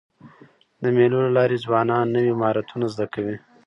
د مېلو له لاري ځوانان نوي مهارتونه زده کوي.